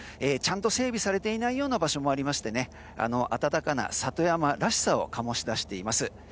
ちゃんと整備されていないような場所もありまして温かな里山らしさを醸し出しています。